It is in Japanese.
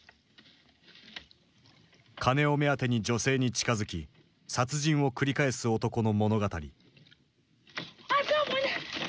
金を目当てに女性に近づき殺人を繰り返す男の物語。